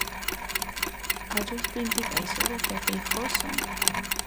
As dúas principais obras de Feijóo son.